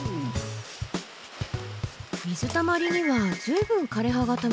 水たまりには随分枯葉がたまってるな。